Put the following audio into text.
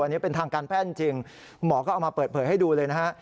อันนี้เป็นทางการแพทย์จริงหมอก็เอามาเปิดเผยให้ดูเลยนะฮะ